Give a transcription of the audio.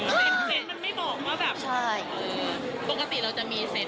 มันไหนตรงเล่ะไหนไม่บอกว่าแบบ